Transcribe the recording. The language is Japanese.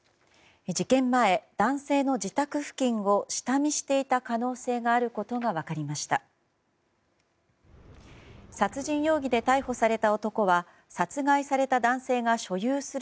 事件前、男性の自宅付近を下見していた可能性があることが分かりました。